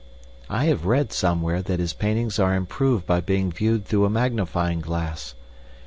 I have read somewhere that his paintings are improved by being viewed through a magnifying glass.